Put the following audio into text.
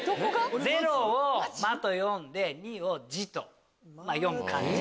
０を「マ」と読んで２を「ジ」と読む感じ。